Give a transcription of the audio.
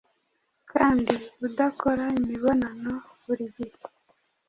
kandi udakora imibonano burigihe